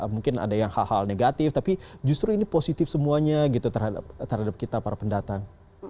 mungkin ada yang hal hal negatif tapi justru ini positif semuanya gitu terhadap kita para pendatang